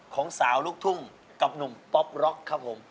ของสาวลูกทุ่งกับหนุ่มป๊อปร็อกครับผม